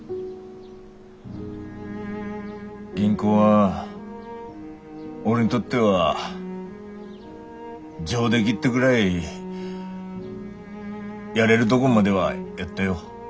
銀行は俺にとっては上出来ってぐらいやれるどごまではやったよ。